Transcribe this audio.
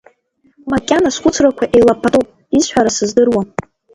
Макьана схәыцрақәа еилаԥаҭоуп, исҳәара сыздыруам.